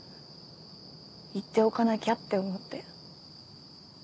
言っておかなきゃって思って。